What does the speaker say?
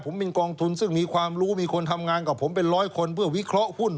ผมเป็นกองทุนซึ่งมีความรู้มีคนทำงานกับผมเป็นร้อยคน